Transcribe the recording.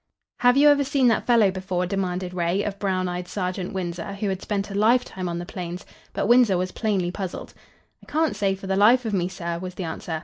"Have you ever seen that fellow before?" demanded Ray, of brown eyed Sergeant Winsor, who had spent a lifetime on the plains, but Winsor was plainly puzzled. "I can't say for the life of me, sir," was the answer.